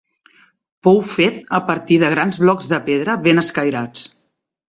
Pou fet a partir de grans blocs de pedra ben escairats.